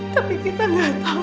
tapi kita gak tahu